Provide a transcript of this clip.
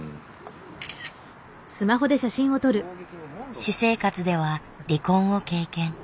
私生活では離婚を経験。